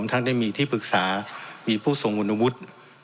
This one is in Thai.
ท่านได้มีที่ปรึกษามีผู้ทรงคุณวุฒิ